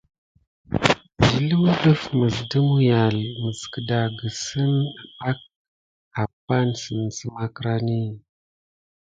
Zilu ɗef ɗe mulial iki mis kedakisi pay apanisou si magrani.